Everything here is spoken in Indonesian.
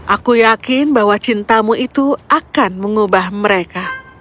aku yakin bahwa cintamu itu akan mengubah mereka